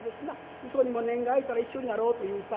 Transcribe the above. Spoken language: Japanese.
うそにも年季が明いたら一緒になろうという２人。